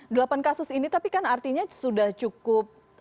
delapan kasus ini tapi kan artinya sudah cukup